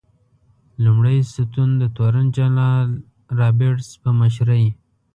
لومړی ستون د تورن جنرال رابرټس په مشرۍ.